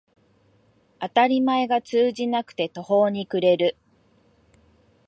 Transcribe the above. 当たり前が通じなくて途方に暮れる